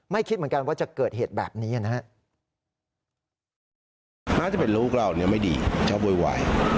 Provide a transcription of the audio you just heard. คิดเหมือนกันว่าจะเกิดเหตุแบบนี้นะฮะ